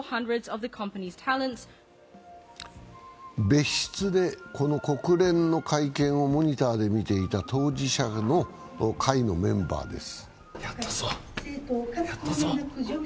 別室でこの国連の会見をモニターで見ていた当事者の会のメンバーです。